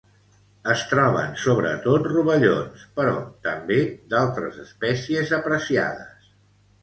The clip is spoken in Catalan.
Es troben sobretot rovellons, però també d'altres espècies apreciades.